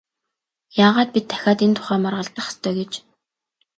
Яагаад бид дахиад энэ тухай маргалдах ёстой гэж?